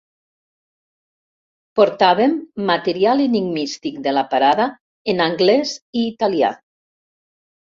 Portàvem material enigmístic de la parada en anglès i italià.